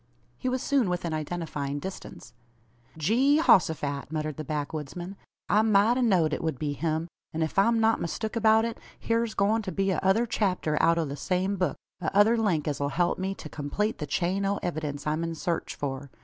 He was soon within identifying distance. "Gee hosophat!" muttered the backwoodsman; "I mout a know'd it wud be him; an ef I'm not mistook about it, hyurs goin' to be a other chapter out o' the same book a other link as 'll help me to kumplete the chain o' evydince I'm in sarch for.